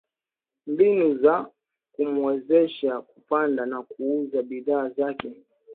mbinu za kumuwezesha kupanda na kuuza bidhaa zake